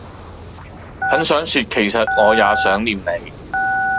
很想說其實我也想念你